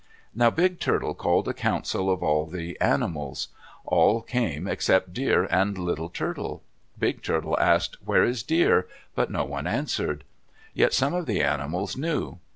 Now Big Turtle called a council of all the animals. All came except Deer and Little Turtle. Big Turtle asked, "Where is Deer?" but no one answered. Yet some of the animals knew.